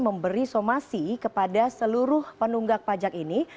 memberi somasi kepada seluruh penunggak pajak ini